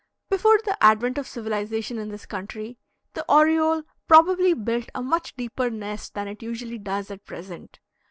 Before the advent of civilization in this country, the oriole probably built a much deeper nest than it usually does at present.